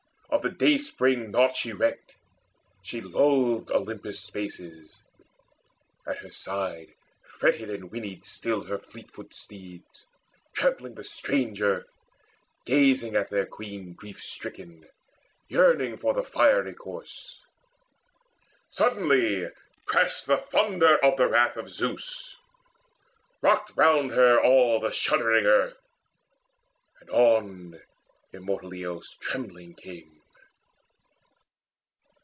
Of the dayspring nought she recked: She loathed Olympus' spaces. At her side Fretted and whinnied still her fleetfoot steeds, Trampling the strange earth, gazing at their Queen Grief stricken, yearning for the fiery course. Suddenly crashed the thunder of the wrath Of Zeus; rocked round her all the shuddering earth, And on immortal Eos trembling came.